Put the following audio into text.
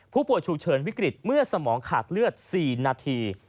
ผู้ป่วยฉุกเฉินวิกฤตเมื่อสมองขาดเลือด๔นาที